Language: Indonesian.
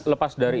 lepas dari itu